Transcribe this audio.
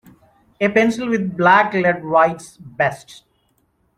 A pencil with black lead writes best.